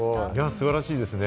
素晴らしいですね。